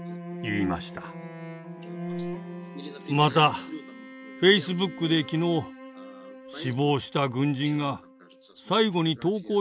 またフェイスブックで昨日死亡した軍人が最後に投稿した写真を見ました。